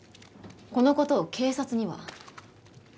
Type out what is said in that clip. この事を警察には？